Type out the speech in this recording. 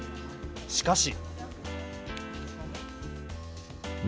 しかし。